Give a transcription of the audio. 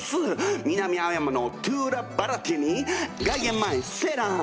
南青山のトゥーラ・バラッティに外苑前ＳＥＬＡＮ